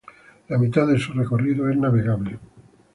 La mitad de su recorrido es navegable.